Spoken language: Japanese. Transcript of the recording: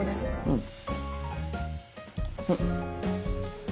うん。